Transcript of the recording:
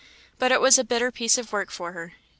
But it was a bitter piece of work for her.